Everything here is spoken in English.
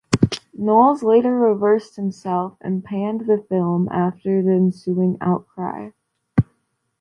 Knowles later reversed himself and panned the film after the ensuing outcry.